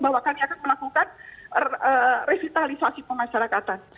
bahwa kami akan melakukan revitalisasi pemasyarakatan